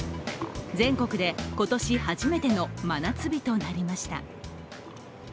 全国で今年初めての真夏日となりました。